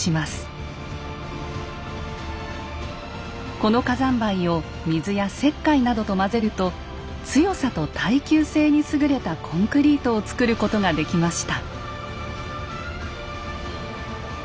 この火山灰を水や石灰などと混ぜると強さと耐久性に優れたコンクリートを作ることができました。